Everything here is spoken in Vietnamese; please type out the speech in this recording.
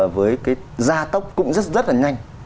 với cái gia tốc cũng rất rất là nhanh